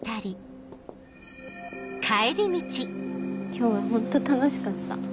今日はホント楽しかった。